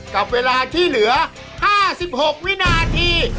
กับเวลาที่เหลือ๕๖วินาที